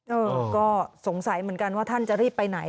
เออก็สงสัยเหมือนกันว่าท่านจะรีบไปไหน